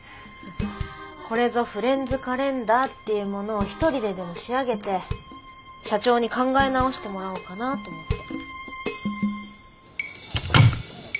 これぞフレンズカレンダーっていうものを一人ででも仕上げて社長に考え直してもらおうかなと思って。